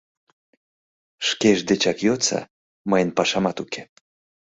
Шкешт дечак йодса — мыйын пашамат уке!